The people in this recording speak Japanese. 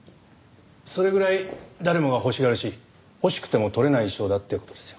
それぐらい誰もが欲しがるし欲しくても取れない賞だって事ですよ。